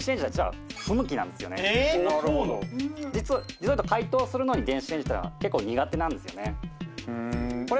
実をいうと解凍するのに電子レンジっていうのは結構苦手なんですよね